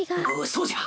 そうじゃ！